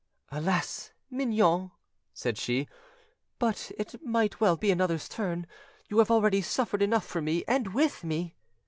"Alas! mignonne," said she, "but it might well be another's turn: you have already suffered enough for me and with me."